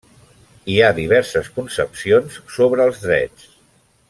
Hi ha diverses concepcions sobre els drets.